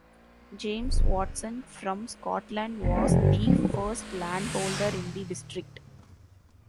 James Watson from Scotland was the first land-holder in the district.